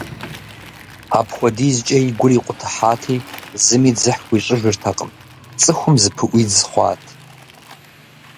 Апхуэдизкӏэ и гур икъутыхьати, зыми дзыхь хуищӏыжыртэкъым, цӏыхум зыпыӏуидз хъуат.